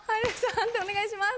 判定お願いします。